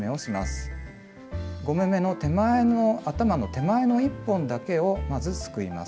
５目めの頭の手前の１本だけをまずすくいます。